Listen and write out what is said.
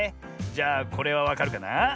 じゃあこれはわかるかな？